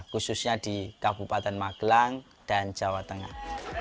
khususnya di kabupaten magelang dan jawa tengah